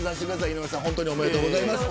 井上さんおめでとうございます。